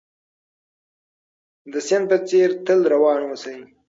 د سيند په څېر تل روان اوسئ.